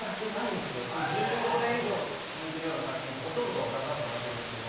１５年以上続いてるような作品ってほとんど出させてもらってる。